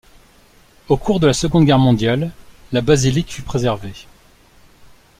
Au cours de la Seconde Guerre mondiale, la basilique fut préservée.